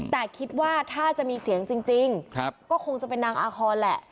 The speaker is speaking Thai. แต่คิดว่าถ้าจะมีเสียงจริงก็คงจะเป็นนางอาคอนแหละ